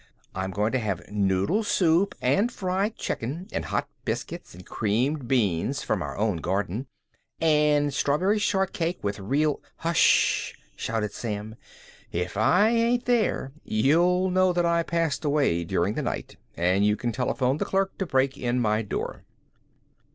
I'm going to have noodle soup, and fried chicken, and hot biscuits, and creamed beans from our own garden, and strawberry shortcake with real " "Hush!" shouted Sam. "If I ain't there, you'll know that I passed away during the night, and you can telephone the clerk to break in my door."